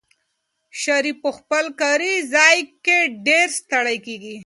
شریف په خپل کاري ځای کې ډېر ستړی کېږي.